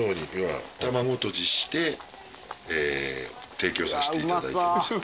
提供させていただいて。